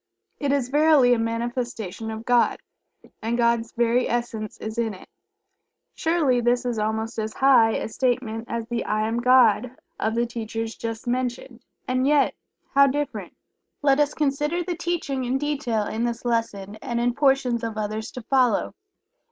It is verily a manifestation of God, and God's very essence is in it. Surely this is almost as "high" a statement as the "I Am God" of the teachers just mentioned, and yet how different. Let us consider the teaching in detail in this lesson, and in portions of others to follow.